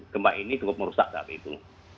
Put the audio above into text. gempa ini cukup merusak saat itu